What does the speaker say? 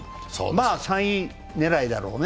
まあ、３位狙いだろうね。